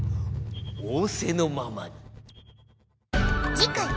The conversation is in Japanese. おおせのままに。